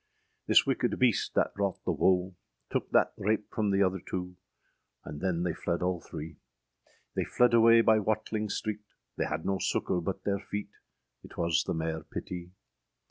â This wicked beaste thatte wrought the woe, Tooke that rape from the other two, And than they fledd all three; They fledd away by Watling streete, They had no succour but their feete, Yt was the maire pittye.